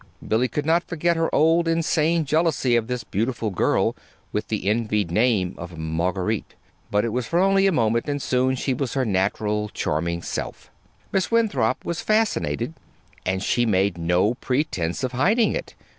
Billy could not forget her old insane jealousy of this beautiful girl with the envied name of Marguerite. But it was for only a moment, and soon she was her natural, charming self. Miss Winthrop was fascinated, and she made no pretense of hiding it.